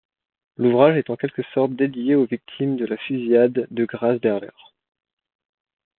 L'ouvrage est en quelque sorte dédié aux victimes de la fusillade de Grâce-Berleur.